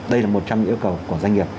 đây là một trong những yêu cầu của doanh nghiệp